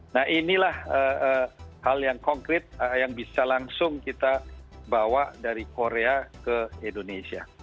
nah inilah hal yang konkret yang bisa langsung kita bawa dari korea ke indonesia